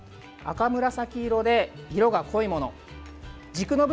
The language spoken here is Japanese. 赤紫色で色が濃いもの。